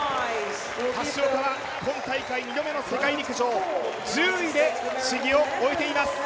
橋岡が今大会２度目の世界陸上、１０位で試技を終えています。